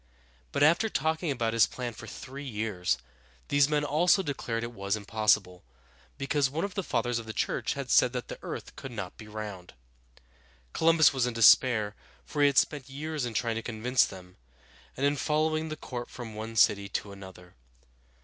But after talking about his plan for three years, these men also declared it was impossible, because one of the fathers of the church had said that the earth could not be round. Columbus was in despair, for he had spent years in trying to convince them, and in following the court from one city to another.